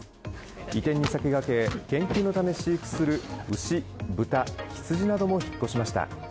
移転に先駆け、研究のため飼育する牛、豚、ヒツジなども引っ越しました。